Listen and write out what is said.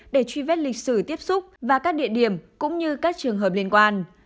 để truy vết lịch sử tiếp xúc và các địa điểm cũng như các trường hợp liên quan